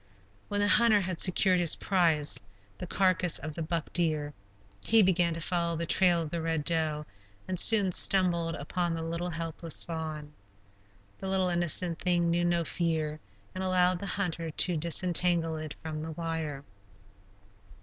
When the hunter had secured his prize, the carcass of the buck deer, he began to follow the trail of the Red Doe, and soon stumbled upon the little helpless fawn. The little innocent thing knew no fear, and allowed the hunter to disentangle it from the wire.